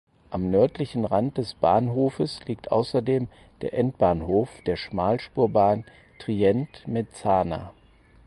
Am nördlichen Rand des Bahnhofes liegt außerdem der Endbahnhof der Schmalspurbahn Trient–Mezzana.